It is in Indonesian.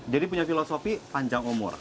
jadi punya filosofi panjang umur